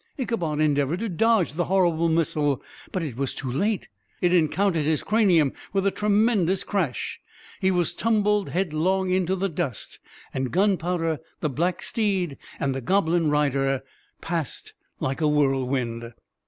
Ichabod endeavored to dodge the horrible missile, but too late. It encountered his cranium with a tremendous crash he was tumbled headlong into the dust, and Gunpowder, the black steed, and the goblin rider, passed by like a whirlwind.